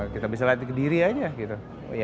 kita bisa lihat di kediri aja gitu